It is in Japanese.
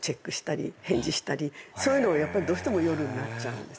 そういうのはやっぱりどうしても夜になっちゃうんですよね。